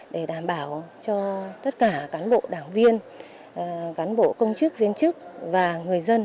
để đảm bảo cho tất cả cán bộ đảng viên cán bộ công chức viên chức và người dân